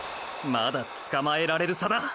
まだつかまえられる差だ！！